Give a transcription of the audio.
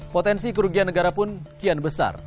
potensi kerugian negara pun kian besar